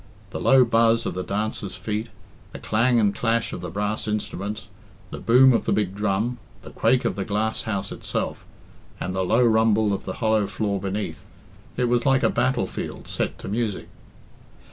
The low buzz of the dancers' feet, the clang and clash of the brass instruments, the boom of the big drum, the quake of the glass house itself, and the low rumble of the hollow floor beneath it was like a battle field set to music.